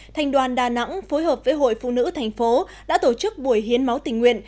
thành đoàn đà nẵng phối hợp với hội phụ nữ thành phố đã tổ chức buổi hiến máu tình nguyện